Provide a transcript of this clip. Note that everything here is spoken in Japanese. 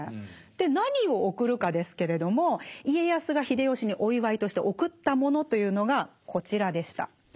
何を贈るかですけれども家康が秀吉にお祝いとして贈ったものというのがこちらでした。